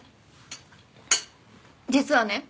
実はね